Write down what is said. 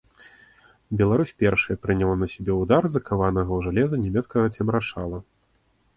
Беларусь першая прыняла на сябе ўдар закаванага ў жалеза нямецкага цемрашала.